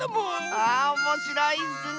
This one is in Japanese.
あおもしろいッスね。